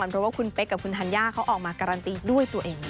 เพราะว่าคุณเป๊กกับคุณธัญญาเขาออกมาการันตีด้วยตัวเอง